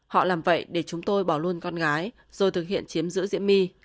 họ làm vậy để chúng tôi bỏ luôn con gái rồi thực hiện chiếm giữ diễm my